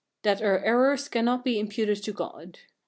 That our errors cannot be imputed to God.